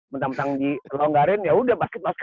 bentang bentang dilonggarin yaudah basket basket